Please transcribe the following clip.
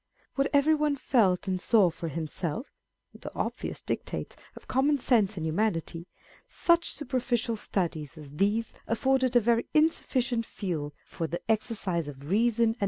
What every one felt and saw for himself â€" the obvious dictates of common sense and humanity â€" such superficial studies as these afforded a very insufficient field for the exercise of reason and z 2 340 On People of Sense.